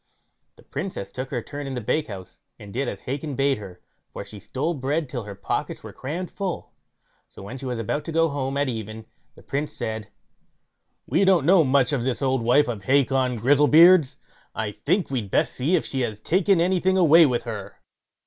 The Princess took her turn in the bakehouse, and did as Hacon bade her, for she stole bread till her pockets were crammed full. So when she was about to go home at even, the Prince said: "We don't know much of this old wife of Hacon Grizzlebeard's, I think we'd best see if she has taken anything away with her."